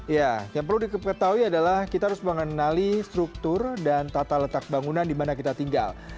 ya yang perlu diketahui adalah kita harus mengenali struktur dan tata letak bangunan di mana kita tinggal